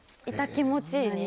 いた気持ちいい。